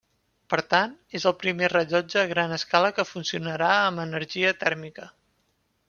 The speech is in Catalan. Per tant, és el primer rellotge a gran escala que funcionarà amb energia tèrmica.